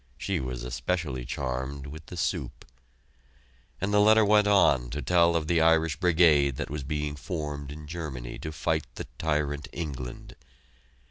She was especially charmed with the soup!!! And the letter went on to tell of the Irish Brigade that was being formed in Germany to fight the tyrant England.